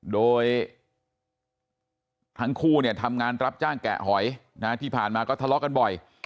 โดยทั้งคู่เนี่ยทำงานรับจ้างแกะหอยที่ผ่านมาก็ทะเลาะกันบ่อย